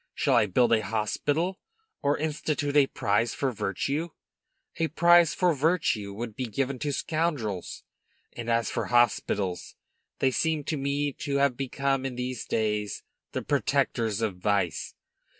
Shall I build a hospital, or institute a prize for virtue? A prize for virtue would be given to scoundrels; and as for hospitals, they seem to me to have become in these days the protectors of vice.